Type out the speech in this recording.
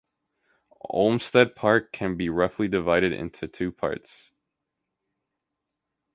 Olmsted Park can be roughly divided into two parts.